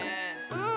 うん。